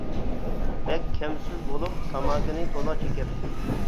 بەك كەم سۆز بولۇپ، تاماكىنى تولا چېكەتتى.